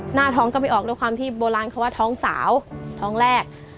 หน้าท้องก็ไม่ออกด้วยความที่โบราณเขาว่าท้องสาวท้องแรก